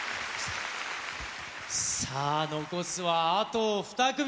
さあ、残すはあと２組。